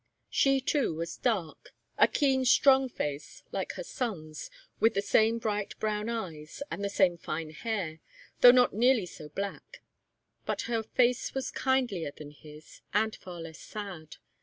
She, too, was dark a keen, strong face, like her son's, with the same bright brown eyes, and the same fine hair, though not nearly so black, but her face was kindlier than his, and far less sad.